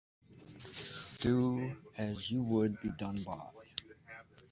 Do as you would be done by.